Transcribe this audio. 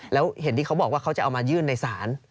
แล้วเห็นที่เขาบอกว่าเขาจะเอามายื่นในศาล